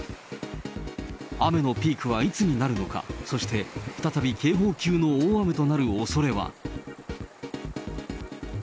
雨のピークはいつになるのか、そして、再び警報級の大雨となるおそれは。